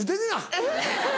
えっ？